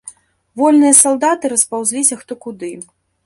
Вольныя салдаты распаўзліся хто куды.